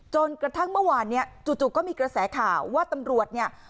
จนกระทั่งเมื่อวานเนี่ยจู่ก็มีกระแสข่าวว่าตำรวจเนี่ย